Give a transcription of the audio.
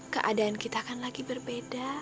keadaan kita akan lagi berbeda